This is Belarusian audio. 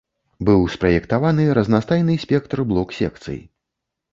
Быў спраектаваны разнастайны спектр блок-секцый.